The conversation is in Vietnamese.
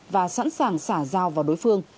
và sẵn sàng xả dao vào đối phương